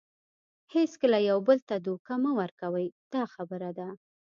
هیڅکله یو بل ته دوکه مه ورکوئ دا خبره ده.